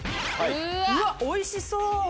うわおいしそう。